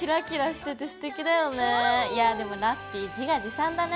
いやでもラッピィ自画自賛だね。